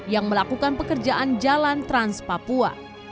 yang melakukan pekerjaan jalan trans papua